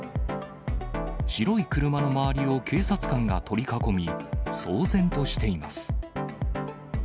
白い車の周りを警察官が取り囲み、騒然としています。